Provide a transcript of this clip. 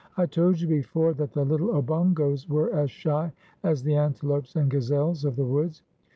"I told you before that the little Obongos were as shy as the antelopes and gazelles of the woods.